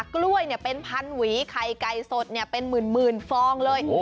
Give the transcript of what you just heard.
กล้วยเป็นพันหวีไข่ไก่สดเป็นหมื่นฟองเลย